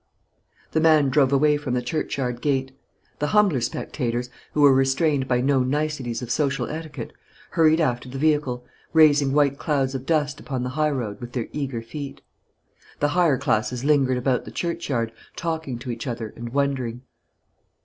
The man drove away from the churchyard gate. The humbler spectators, who were restrained by no niceties of social etiquette, hurried after the vehicle, raising white clouds of dust upon the high road with their eager feet. The higher classes lingered about the churchyard, talking to each other and wondering.